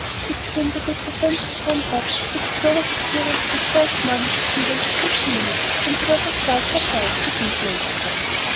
It seemed as if the sense of comfort which Clover's appearance that first morning had given continued when she was not quite herself, and influenced her.